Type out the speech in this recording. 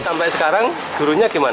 sampai sekarang gurunya gimana